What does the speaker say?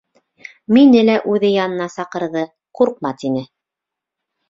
Мине лә үҙе янына саҡырҙы, ҡурҡма, тине.